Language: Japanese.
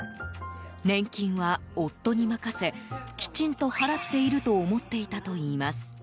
年金は夫に任せきちんと払っていると思っていたといいます。